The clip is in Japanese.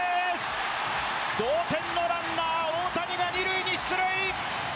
同点のランナー大谷が二塁に出塁！